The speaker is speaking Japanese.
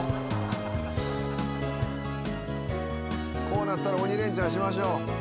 こうなったら鬼レンチャンしましょう。